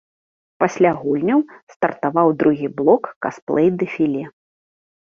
Пасля гульняў стартаваў другі блок касплэй-дэфіле.